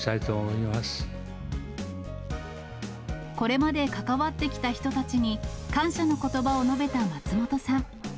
これまで関わってきた人たちに、感謝のことばを述べた松本さん。